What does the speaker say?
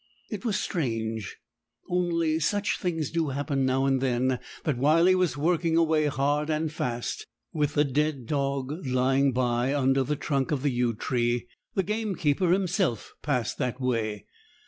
It was strange, only such things do happen now and then, that while he was working away hard and fast, with the dead dog lying by under the trunk of the yew tree, the gamekeeper himself passed that way.